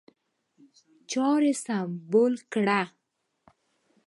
چاري سمبال کړي.